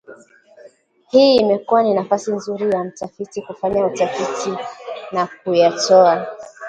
hii imekuwa ni nafasi nzuri ya mtafiti kufanya utafiti na kuyatoa